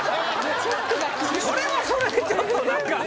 それはそれでちょっと何か。